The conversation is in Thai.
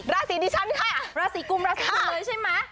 ราศรีดิฉันค่ะราศรีกุมราศรีกุมเลยใช่มะ